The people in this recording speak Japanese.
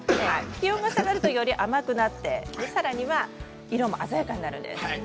気温が下がると甘くなってさらに色も鮮やかになります。